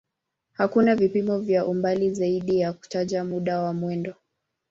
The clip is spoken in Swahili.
Hakuna vipimo vya umbali zaidi ya kutaja muda wa mwendo.